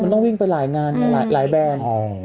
มันต้องวิ่งไปหลายงานหลายแบรนด์